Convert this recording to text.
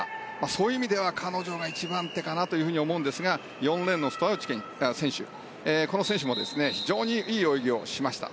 そういう意味では彼女が１番手かなと思うんですが４レーンのストラウチ選手も非常にいい泳ぎをしました。